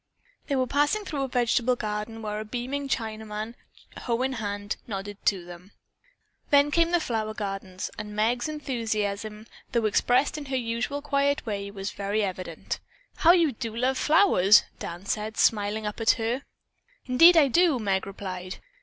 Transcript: They were passing through a vegetable garden where a beaming Chinaman, hoe in hand, nodded to them. Then came the flower gardens and Meg's enthusiasm, though expressed in her usual quiet way, was very evident. "How you do love flowers," Dan said, smiling up at her. "Indeed I do!" Meg replied.